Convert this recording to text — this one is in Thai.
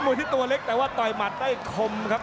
ที่ตัวเล็กแต่ว่าต่อยหมัดได้คมครับ